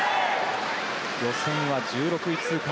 予選は１６位通過。